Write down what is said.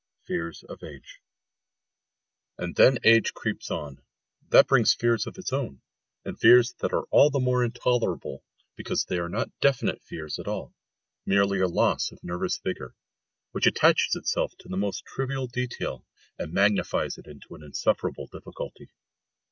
X FEARS OF AGE And then age creeps on; and that brings fears of its own, and fears that are all the more intolerable because they are not definite fears at all, merely a loss of nervous vigour, which attaches itself to the most trivial detail and magnifies it into an insuperable difficulty.